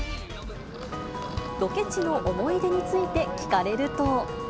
ロケ地の思い出について聞かれると。